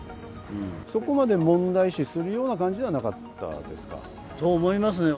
そこまで問題視するような感じではなかったですか？と思いますね。